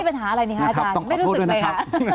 ปัญหาอะไรนี่คะอาจารย์ไม่รู้สึกเลยค่ะ